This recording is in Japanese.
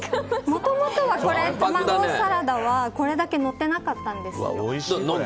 もともとはたまごサラダはこれだけのってなかったんです。